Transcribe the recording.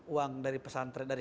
uang dari pesan tren dari